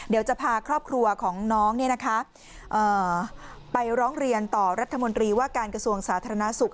เดี๋ยวจะพาครอบครัวของน้องไปร้องเรียนต่อรัฐมนตรีว่าการกระทรวงสาธารณสุข